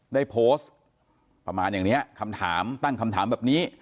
ได้โพสต์ประมาณอย่างนี้คำถามตั้งคำถามแบบนี้